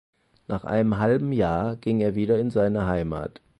Nach einem halben Jahr ging er wieder in seine Heimat.